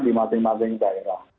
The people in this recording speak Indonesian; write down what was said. di masing masing daerah